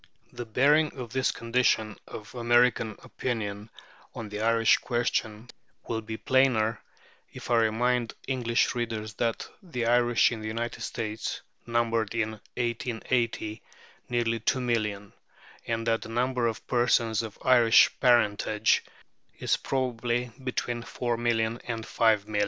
The bearing of this condition of American opinion on the Irish question will be plainer if I remind English readers that the Irish in the United States numbered in 1880 nearly 2,000,000, and that the number of persons of Irish parentage is probably between 4,000,000 and 5,000,000.